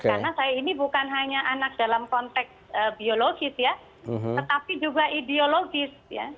karena saya ini bukan hanya anak dalam konteks biologis ya tetapi juga ideologis